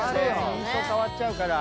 印象変わっちゃうから。